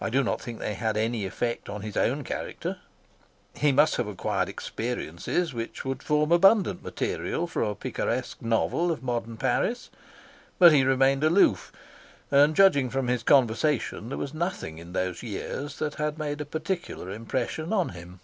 I do not think they had any effect on his own character. He must have acquired experiences which would form abundant material for a picaresque novel of modern Paris, but he remained aloof, and judging from his conversation there was nothing in those years that had made a particular impression on him.